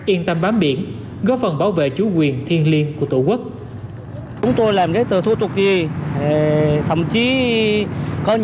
yên tâm bám biển góp phần bảo vệ chủ quyền thiên liêng của tổ quốc